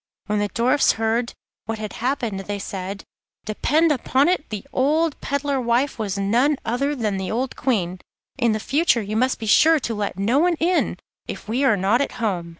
When the Dwarfs heard what had happened, they said: 'Depend upon it, the old peddler wife was none other than the old Queen. In future you must be sure to let no one in, if we are not at home.